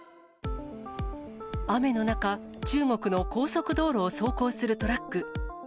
雨の中、中国の高速道路を走行するトラック。